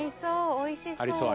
おいしそう。